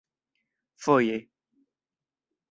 foje